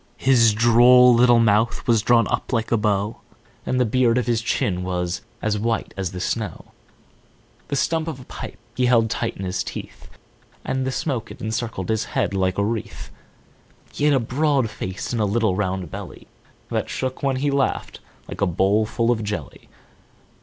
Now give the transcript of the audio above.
His droll little mouth was drawn up like a bow, And the beard of his chin was as white as the snow; he stump of a pipe he held tight in his teeth, And the smoke it encircled his head like a wreath; He had a broad face and a little round belly, That shook when he laughed, like a bowlful of jelly.